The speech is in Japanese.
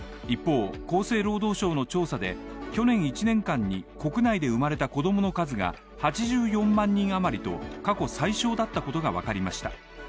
一方、厚生労働省の調査で去年１年間に国内で生まれた子供の数が８４万人あまりと過去最少だったことが分かりました。